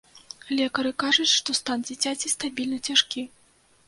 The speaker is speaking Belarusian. Лекары кажуць, што стан дзіцяці стабільна цяжкі.